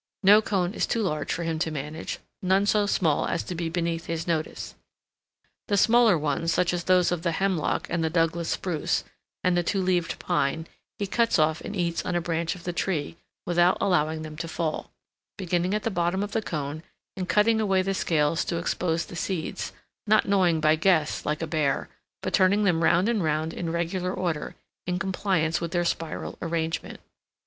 No cone is too large for him to manage, none so small as to be beneath his notice. The smaller ones, such as those of the Hemlock, and the Douglas Spruce, and the Two leaved Pine, he cuts off and eats on a branch of the tree, without allowing them to fall; beginning at the bottom of the cone and cutting away the scales to expose the seeds; not gnawing by guess, like a bear, but turning them round and round in regular order, in compliance with their spiral arrangement.